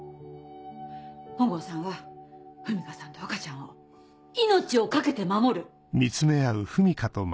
本郷さんは文香さんと赤ちゃんを命を懸けて守る。